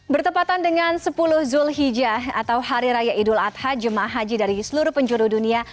bertepatan dengan sepuluh zulhijjah atau hari raya idul adha jemaah haji dari seluruh penjuru dunia